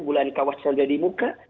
bulan kawasan jadi muka